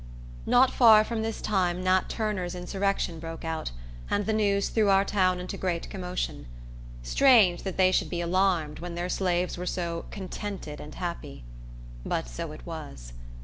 Not far from this time Nat Turner's insurrection broke out; and the news threw our town into great commotion. Strange that they should be alarmed, when their slaves were so "contented and happy"! But so it was.